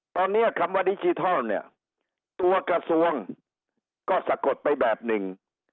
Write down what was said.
ตอนนี้คำว่าดิจิทัลเนี่ยตัวกระทรวงก็สะกดไปแบบหนึ่ง